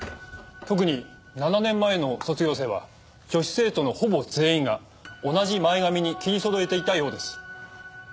特に７年前の卒業生は女子生徒のほぼ全員が同じ前髪に切りそろえていたようです。